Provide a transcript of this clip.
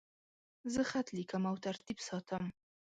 زه خط لیکم او ترتیب ساتم.